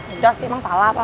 udah sih emang salah pak